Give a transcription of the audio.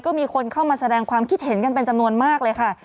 ก็มีคนเข้ามาแสดงความคิดเห็นกันเป็นจำนวนมากเลยค่ะ